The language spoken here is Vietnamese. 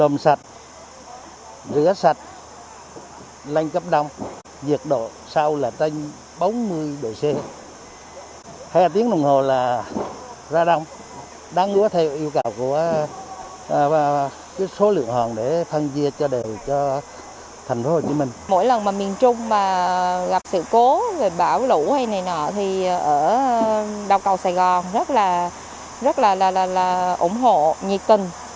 mỗi lần mà miền trung gặp sự cố bão lũ hay này nọ thì ở đào cầu sài gòn rất là ủng hộ nhiệt tình